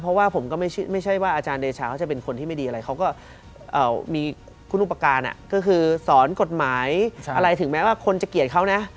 เพราะว่าผมก็ไม่ใช่ว่าอาจารย์เดชาเขาจะเป็นคนที่ไม่ดีอะไรเขาก็มีคุณอุปการณ์ก็คือสอนกฎหมายอะไรถึงแม้ว่าคนจะเกลียดเขานะ